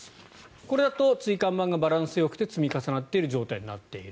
これだと椎間板がバランスよく積み重なっている状態になっている。